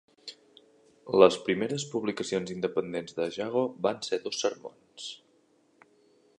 Les primeres publicacions independents de Jago van ser dos sermons.